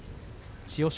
千代翔